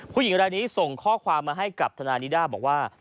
ผู้หญิงรายนี้ส่งข้อความมาให้กับทนายนิด้าบอกว่า